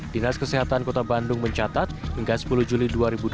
dinas kesehatan kota bandung mencatat hingga sepuluh juli dua ribu dua puluh